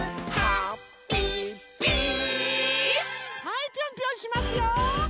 はいぴょんぴょんしますよ！